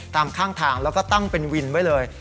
ข้างทางแล้วก็ตั้งเป็นวินไว้เลย